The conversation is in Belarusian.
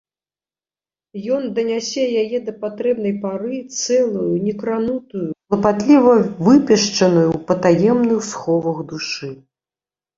Ён данясе яе да патрэбнай пары цэлую, некранутую, клапатліва выпешчаную ў патаемных сховах душы.